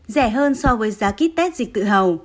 rẻ hơn so với giá kít tét dịch tự hầu